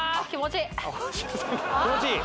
・気持ちいい？